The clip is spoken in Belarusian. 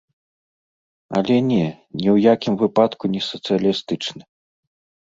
Але не, ні ў якім выпадку не сацыялістычны.